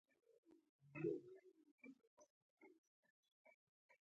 هغه یو خاصیت کشف کړی وو چې افغانانو ته نه پاتې کېدو.